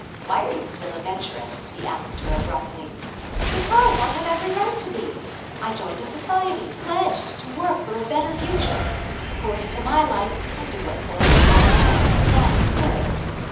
"Why are you still a Venturist?" he asked her abruptly. "Because I have every right to be! I joined a society, pledged to work 'for a better future.' According to my lights, I do what poor work I can in that spirit."